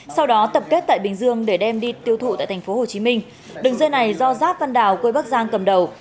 sau đó tập kết tại bình dương để đem đi tiêu thụ tại tp hcm đường dây này do giáp văn đào quê bắc giang cầm đầu